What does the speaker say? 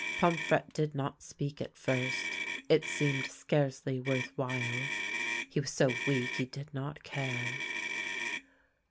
Pomfrette did not speak at first : it seemed scarcely worth while ; he was so weak he did not care.